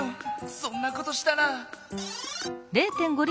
そんなことしたら。